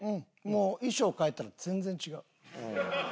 もう衣装替えたら全然違う。